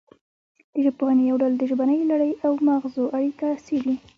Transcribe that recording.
د ژبپوهنې یو ډول د ژبنۍ لړۍ او مغزو اړیکه څیړي